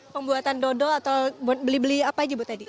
pembuatan dodol atau beli beli apa aja bu tadi